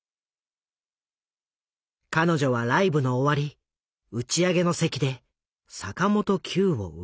彼女はライブの終わり打ち上げの席で坂本九を売り込まれた。